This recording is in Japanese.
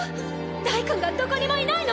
ダイくんがどこにもいないの！